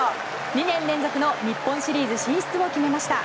２年連続の日本シリーズ進出を決めました。